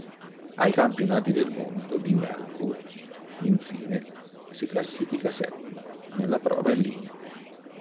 Ai campionati del mondo di Melbourne, infine, si classifica settimo nella prova in linea.